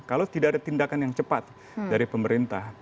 kalau tidak ada tindakan yang cepat dari pemerintah